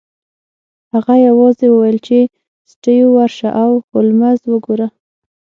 هغه یوازې وویل چې سټیو ورشه او هولمز وګوره